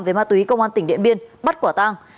về ma túy công an tỉnh điện biên bắt quả tang